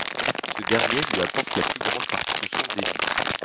Ce dernier lui apporte la plus grande partie de son débit.